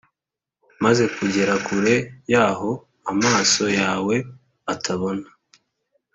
maze kugera kure yahoo amaso yawe atabona